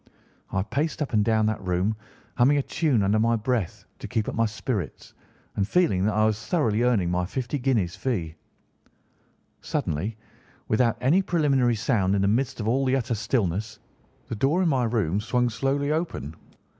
I paced up and down the room, humming a tune under my breath to keep up my spirits and feeling that I was thoroughly earning my fifty guinea fee. "Suddenly, without any preliminary sound in the midst of the utter stillness, the door of my room swung slowly open.